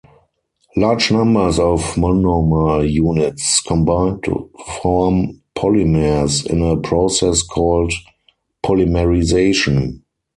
Large numbers of monomer units combine to form polymers in a process called polymerization.